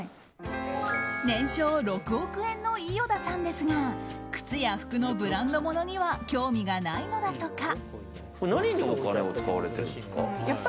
年商６億円の伊與田さんですが靴や服のブランドものには興味がないのだとか。